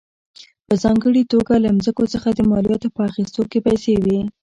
په ځانګړې توګه له ځمکو څخه د مالیاتو په اخیستو کې پیسې وې.